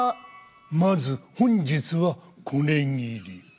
まず本日はこれぎり。